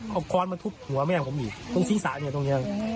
เอาค้อนมาทุบหัวแม่ผมอีกตรงศีรษะเนี่ยตรงนี้